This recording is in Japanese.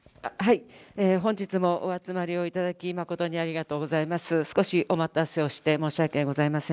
本日もお集まりをいただき、誠にありがとうございます。